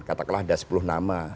katakanlah ada sepuluh nama